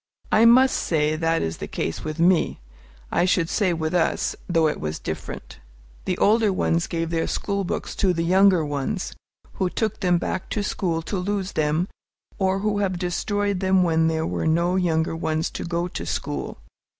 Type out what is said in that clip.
I must say that is the case with me, I should say with us, though it was different. The older ones gave their school books to the younger ones, who took them back to school to lose them, or who have destroyed them when there were no younger ones to go to school.